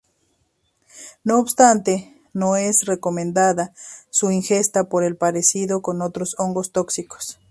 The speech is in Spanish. No obstante no es recomendada su ingesta por el parecido con otros hongos tóxicos.